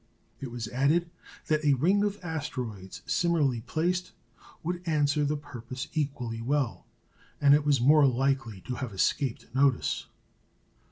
It was added that a ring of asteroids similarly placed would answer the purpose equally well, and was more likely to have escaped notice.